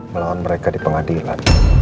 melawan mereka di pengadilan